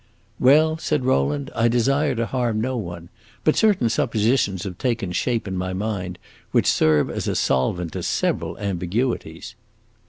"Well," said Rowland, "I desire to harm no one; but certain suppositions have taken shape in my mind which serve as a solvent to several ambiguities."